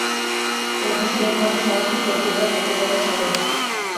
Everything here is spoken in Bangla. প্রশাসনিকভাবে শহরটি চৌদ্দগ্রাম উপজেলার সদর।